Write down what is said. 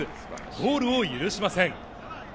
ゴールを許しません。